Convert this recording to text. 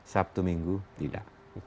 sabtu minggu tidak